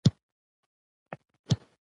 د احمدشاه بابا درناوی د هر افغان دنده ده.